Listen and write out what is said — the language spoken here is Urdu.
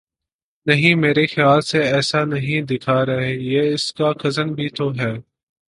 نہیں میرے خیال سے ایسا نہیں دکھا رہے یہ اس کا کزن بھی تو ہے